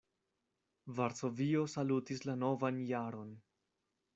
Varsovio salutis la novan jaron.